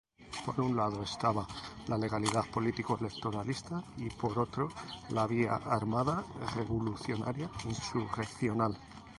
Por un lado, estaba la legalidad político-electoralista y, por otro, la vía armada revolucionaria-insurreccional.